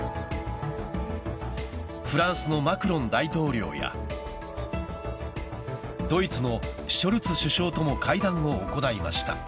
フランスのマクロン大統領やドイツのショルツ首相とも会談を行いました。